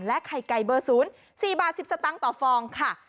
และไข่ไก่เบอร์๐๔๑๐บาทต่อฟองค่ะ